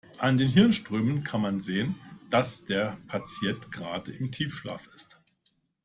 An den Hirnströmen kann man sehen, dass der Patient gerade im Tiefschlaf ist.